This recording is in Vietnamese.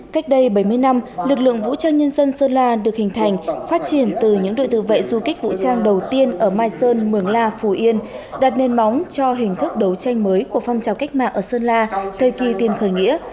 cách đây bảy mươi năm lực lượng vũ trang nhân dân sơn la được hình thành phát triển từ những đội tự vệ du kích vũ trang đầu tiên ở mai sơn mường la phủ yên đặt nền móng cho hình thức đấu tranh mới của phong trào cách mạng ở sơn la thời kỳ tiền khởi nghĩa